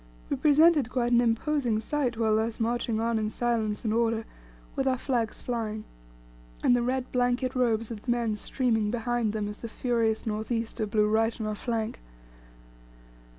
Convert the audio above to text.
We presented quite an imposing sight while thus marching on in silence and order, with our flags flying, and the red blanket robes of the men streaming behind them as the furious north easter blew right on our flank.